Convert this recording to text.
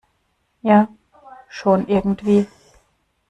Ja, schon irgendwie.